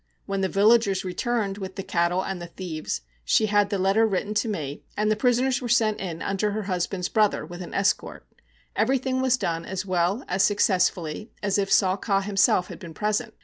When the villagers returned with the cattle and the thieves, she had the letter written to me, and the prisoners were sent in, under her husband's brother, with an escort. Everything was done as well, as successfully, as if Saw Ka himself had been present.